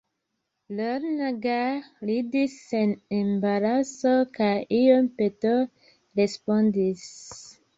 Lorna gaje ridis sen embaraso kaj iom petole respondis: